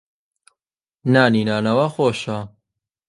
نانی نانەوا خۆشە.